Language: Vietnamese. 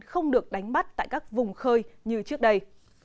không được đánh bắt tại các vùng khơi như trước đây